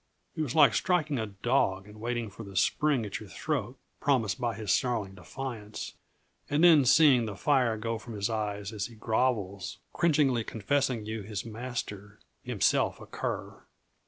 It was like striking a dog and waiting for the spring at your throat promised by his snarling defiance, and then seeing the fire go from his eyes as he grovels, cringingly confessing you his master, himself a cur.